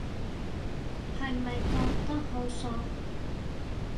係咪覺得好爽